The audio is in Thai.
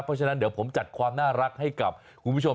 เพราะฉะนั้นเดี๋ยวผมจัดความน่ารักให้กับคุณผู้ชม